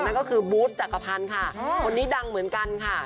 นั่นก็คือบูธจักรพันธ์ค่ะคนนี้ดังเหมือนกันค่ะ